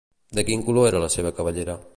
De quin color era la seva cabellera?